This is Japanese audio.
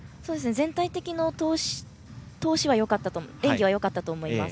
全体的な演技はよかったと思います。